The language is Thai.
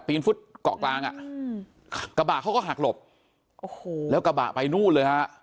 ฟุตเกาะกลางอ่ะอืมกระบะเขาก็หักหลบโอ้โหแล้วกระบะไปนู่นเลยฮะ